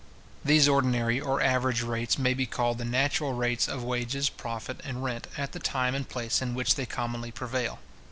These ordinary or average rates may be called the natural rates of wages, profit and rent, at the time and place in which they commonly prevail.